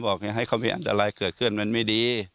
ให้เขามีอันตรายเกิดขึ้นมันไม่ดี